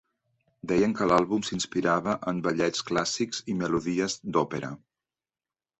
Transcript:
Deien que l'àlbum s'inspirava en ballets clàssics i melodies d'òpera.